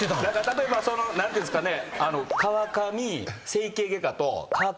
例えばその何て言うんですかね。